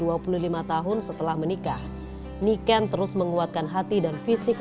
apakah suaminya bisa dikonsumsi dengan perempuan yang berkekuatan